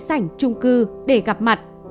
sảnh trung cư để gặp mặt